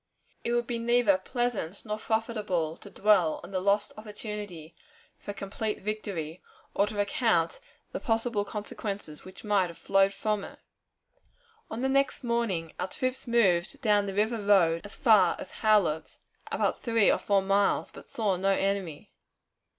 It would be neither pleasant nor profitable to dwell on the lost opportunity for a complete victory, or to recount the possible consequences which might have flowed from it. On the next morning, our troops moved down the river road as far as Howlett's, about three or four miles, but saw no enemy.